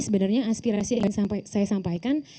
sebenarnya aspirasi yang saya sampaikan